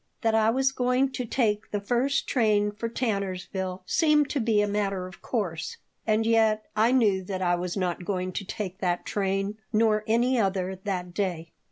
That I was going to take the first train for Tannersville seemed to be a matter of course, and yet I knew that I was not going to take that train, nor any other that day.